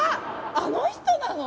あの人なの？